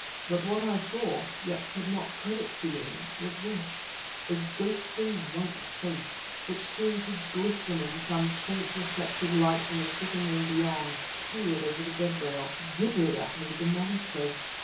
But what I saw, yet could not credit seeing, was this: A ghostly white face, which seemed to glisten in some faint reflected light from the sitting room beyond, peered over the bedrail; gibbered at me demoniacally.